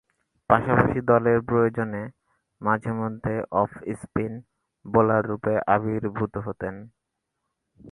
পাশাপাশি দলের প্রয়োজনে মাঝে-মধ্যে অফ-স্পিন বোলাররূপে আবির্ভূত হতেন।